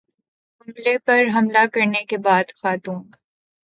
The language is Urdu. عملے پر حملہ کرنے کے بعد خاتون